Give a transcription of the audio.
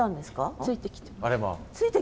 ついてきてます。